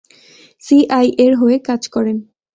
সিআইএর হয়ে কাজ করেন।